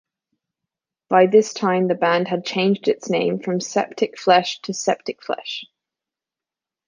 By this time the band had changed its name from Septic Flesh to Septicflesh.